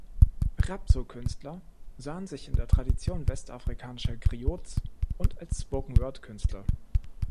Rapso-Künstler sahen sich in der Tradition westafrikanischer Griots und als Spoken-Word-Künstler.